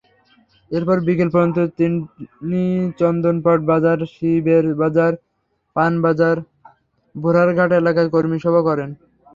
এরপর বিকেল পর্যন্ত তিনি চন্দনপাট বাজার, শিবেরবাজার, পানবাজার, ভুরারঘাট এলাকায় কর্মিসভা করেন।